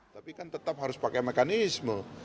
tapi kan tetap harus pakai mekanisme